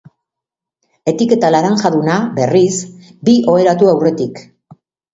Etiketa laranjaduna, berriz, bi oheratu aurretik.